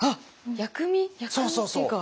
薬味っていうか。